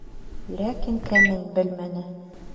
Ләкин тәмен белмәне.